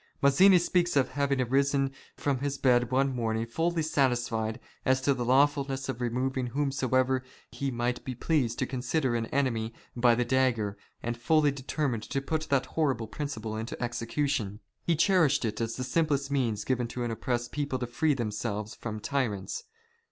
Mazzini speaks of having arisen from his bed one morning fully satisfied as to the lawfulness of removing whom soever he might be pleased to consider an enemy, by the dagger, and fully determined to put that horrible principle into execution. He cherished it as the simplest means given to an oppressed people to free themselves from tyrants.